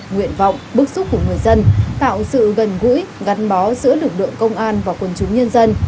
nguyện vọng bức xúc của người dân tạo sự gần gũi gắn bó giữa lực lượng công an và quân chúng nhân dân